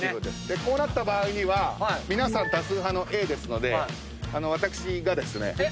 こうなった場合には皆さん多数派のＡですので私がですねＢのパンをいただくと。